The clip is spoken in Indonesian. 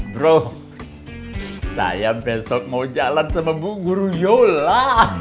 bro sayang besok mau jalan sama bu guru yola